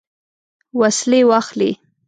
وسلې واخلي.